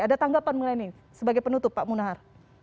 ada tanggapan melainkan sebagai penutup pak munahar